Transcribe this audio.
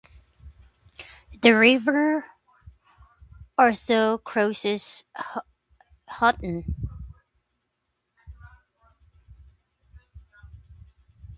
The river Ourthe crosses Hotton.